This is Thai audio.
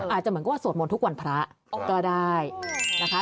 อาจจะเหมือนกับว่าสวดมนต์ทุกวันพระก็ได้นะคะ